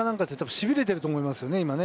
しびれてると思いますね。